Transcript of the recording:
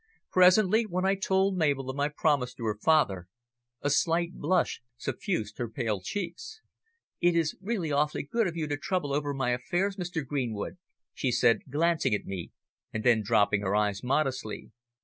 Presently, when I told Mabel of my promise to her father, a slight blush suffused her pale cheeks. "It is really awfully good of you to trouble over my affairs, Mr. Greenwood," she said, glancing at me, and then dropping her eyes modestly.